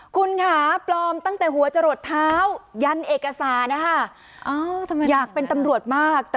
คุณค่ะปลอมตั้งแต่หัวจะหลดเท้ายันเอกสารนะคะ